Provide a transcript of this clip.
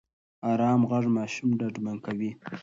ارام غږ ماشوم ډاډمن کوي.